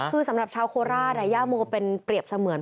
คือสำหรับชาวโคราชย่าโมเป็นเปรียบเสมือน